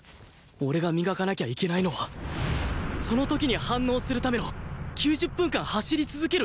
俺が磨かなきゃいけないのは「その時」に反応するための９０分間走り続ける肉体だ！